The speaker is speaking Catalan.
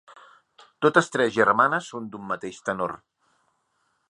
Totes tres germanes són d'un mateix tenor.